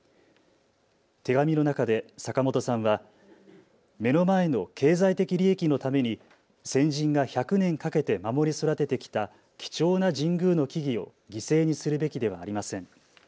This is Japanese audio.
手紙の中で坂本さんは目の前の経済的利益のために先人が１００年かけて守り育ててきた貴重な神宮の樹々を犠牲にするべきではありません。